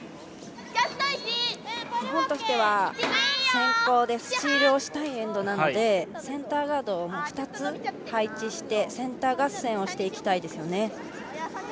日本としては先攻でスチールしたいエンドなのでセンターガードを２つ、配置してセンター合戦をしていきたいです。